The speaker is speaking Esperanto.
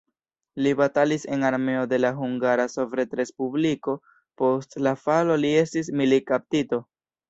Li batalis en armeo de la Hungara Sovetrespubliko, post la falo li estis militkaptito.